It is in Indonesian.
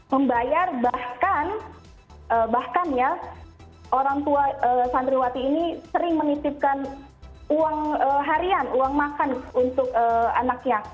membayar bahkan bahkan ya orang tua santriwati ini sering mengisipkan uang harian uang makan untuk anaknya